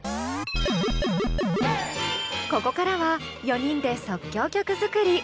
ここからは４人で即興曲作り。